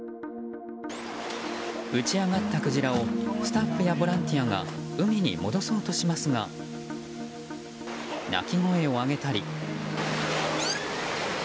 打ち上がったクジラをスタッフやボランティアが海に戻そうとしますが鳴き声を上げたり。